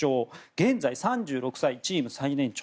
現在、３６歳でチーム最年長。